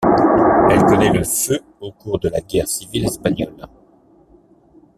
Elle connaît le feu au cours de la Guerre civile espagnole.